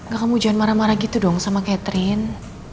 gak kamu jangan marah marah gitu dong sama catherine